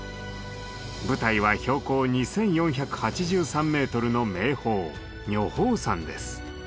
舞台は標高２，４８３メートルの名峰女峰山です。